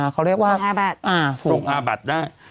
เขาเรียกว่าอาบัติอ้าวถูกส่งอาบัติได้